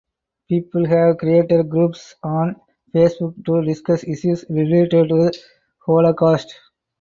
People have created groups on Facebook to discuss issues related to the Holocaust.